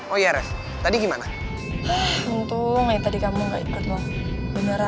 oh ya tadi gimana tunggu tadi kamu enggak beneran deh tapi aku tadi bener bener lagi